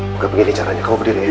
bukan begini caranya kamu berdiri ya